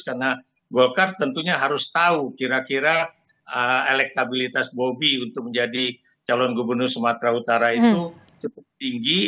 karena golkar tentunya harus tahu kira kira elektabilitas bobi untuk menjadi calon gubernur sumatera utara itu cukup tinggi